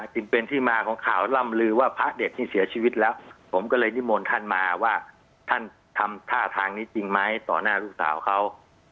จึงเป็นที่มาของข่าวล่ำลือว่าพระเด็ดที่เสียชีวิตแล้วผมก็เลยนิมนต์ท่านมาว่าท่านทำท่าทางนี้จริงไหมต่อหน้าลูกสาวเขา